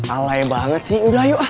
alay banget sih udah yuk